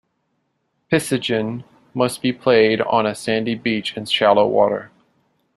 Picigin must be played on a sandy beach in shallow water.